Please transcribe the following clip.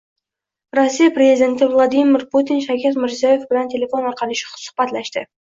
Rossiya prezidenti Vladimir Putin Shavkat Mirziyoyev bilan telefon orqali suhbatlashdi